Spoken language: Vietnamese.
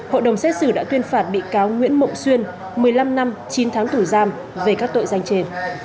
hội đồng xét xử đã tuyên phạt bị cáo nguyễn mộng xuyên một mươi năm năm chín tháng tù giam về các tội danh trên